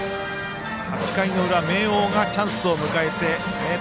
８回の裏、明桜がチャンスを迎え明徳